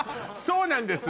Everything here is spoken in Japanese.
そうなんです。